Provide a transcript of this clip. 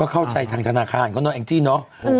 ก็เข้าใจทางธนาคารก็นอนแองที่เนาะ